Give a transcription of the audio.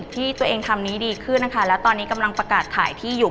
ที่ตัวเองทำนี้ดีขึ้นนะคะแล้วตอนนี้กำลังประกาศขายที่อยู่